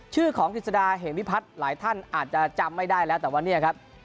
ชื่อของกฤษฎาเหมวิพัฒน์หลายท่านอาจจะจำไม่ได้แล้วแต่ว่าเนี่ยครับ